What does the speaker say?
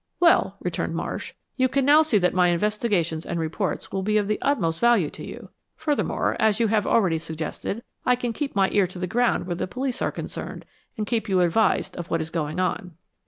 "Well," returned Marsh, "you can now see that my investigations and reports will be of the utmost value to you. Furthermore, as you have already suggested, I can keep my ear to the ground where the police are concerned, and keep you advised of what is going on."